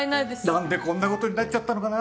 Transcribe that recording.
何でこんなことになっちゃったのかな。